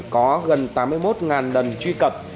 có gần tám mươi một đần truy cập